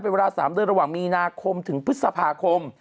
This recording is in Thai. เป็นเวลา๓เดือนระหว่างมีนาคมถึงพฤษภาคม